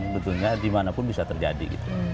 sebetulnya di mana pun bisa terjadi